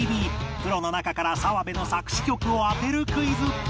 プロの中から澤部の作詞曲を当てるクイズ